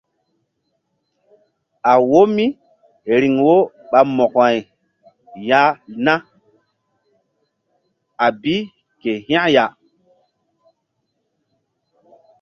A wo míriŋ wo ɓa Mo̧ko-ay ya na a bi ke hȩk bi ya.